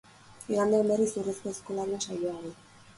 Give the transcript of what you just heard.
Igandean berriz urrezko aizkolarien saioa du.